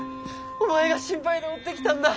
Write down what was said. お前が心配で追ってきたんだ。